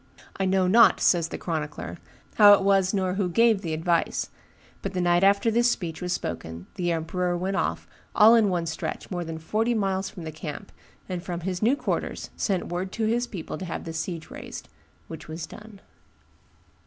I know not," says the chronicler, "how it was nor who gave the advice; but the night after this speech was spoken the emperor went off, all in one stretch, more than forty miles from the camp, and from his new quarters sent word to his people to have the siege raised; which was done."